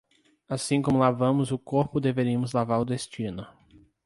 Assim como lavamos o corpo deveríamos lavar o destino